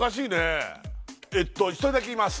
えっと１人だけ言います